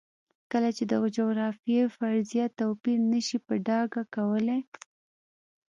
کله چې د جغرافیې فرضیه توپیر نه شي په ډاګه کولی.